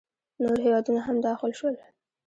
نور هیوادونه هم داخل شول.